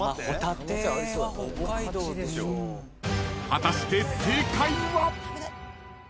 ［果たして正解は？］